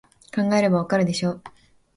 考えればわかるでしょ